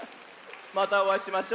またおあいしましょ。